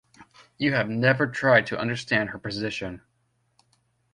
You have never tried to understand her position.